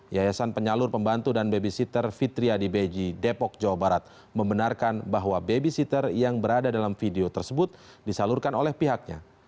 yayasan penyalur pembantu dan babysitter fitri adi beji depok jawa barat membenarkan bahwa babysitter yang berada dalam video tersebut disalurkan oleh pihaknya